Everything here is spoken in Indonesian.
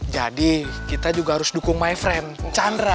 jadi kita juga harus dukung my friend chandra